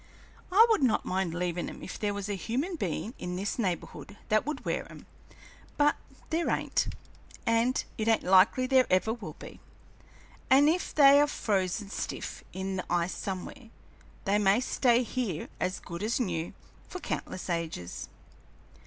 I would not mind leavin' 'em if there was a human bein' in this neighborhood that would wear 'em; but there ain't, and it ain't likely there ever will be, and if they are frozen stiff in the ice somewhere, they may stay here, as good as new, for countless ages!"